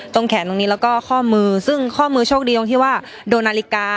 แขนตรงนี้แล้วก็ข้อมือซึ่งข้อมือโชคดีตรงที่ว่าโดนนาฬิกา